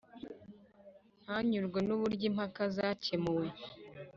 ntanyurwe n uburyo impaka zakemuwe